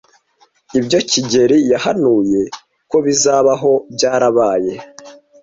Ibyo kigeli yahanuye ko bizabaho byarabaye.